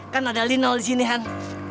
kan ada lino disini han